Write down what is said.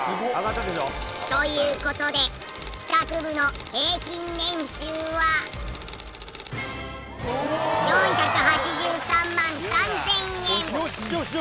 という事で帰宅部の平均年収は４８３万３０００円。